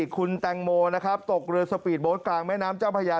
คุณแตงโมนะครับตกเรือสปีดโบ๊ทกลางแม่น้ำเจ้าพญา